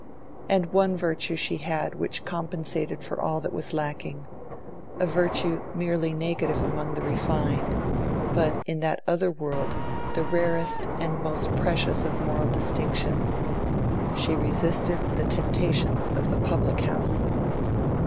And one virtue she had which compensated for all that was lacking—a virtue merely negative among the refined, but in that other world the rarest and most precious of moral distinctions—she resisted the temptations of the public house.